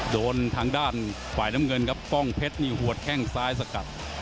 โดนทางด้านฝ่ายน้ำเงินครับกล้องเพชรนี่หัวแข้งซ้ายสกัด